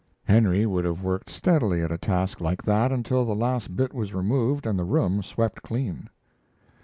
Henry would have worked steadily at a task like that until the last bit was removed and the room swept clean.